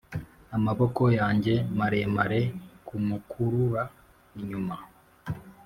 amaboko yanjye maremare kumukurura inyuma.